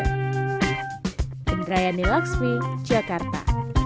pendrayani laksmi jakarta